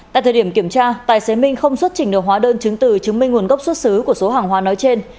tại thời điểm kiểm tra tài xế minh không xuất trình được hóa đơn chứng từ chứng minh nguồn gốc xuất xứ của số hàng hóa nói trên